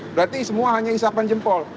berarti semua hanya isapan jempol